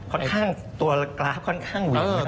ค่อนข้างตัวกราฟค่อนข้างเหวี่ยงนะครับ